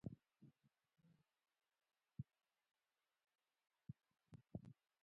متکبر انسان د خدای او بندګانو دواړو بد اېسي.